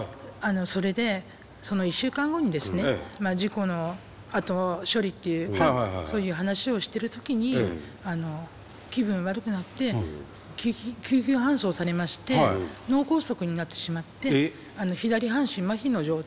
それでその１週間後に事故の後処理っていうかそういう話をしてる時に気分悪くなって救急搬送されまして脳梗塞になってしまって左半身まひの状態で。